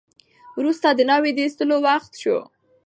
وروسته د ناوې د ایستلو وخت شو.